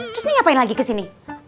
terus nih ngapain lagi kesini